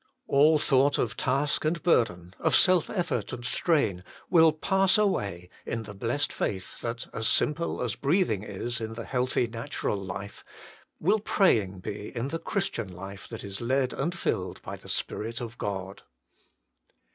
All thought of task and burden, of self effort and strain, will pass away in the blessed faith that as simple as breathing is in the healthy natural life, will praying be in the Christian life that is led and filled by the Spirit of God.